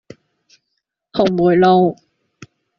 紅梅路